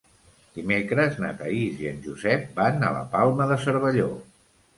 Dimecres na Thaís i en Josep van a la Palma de Cervelló.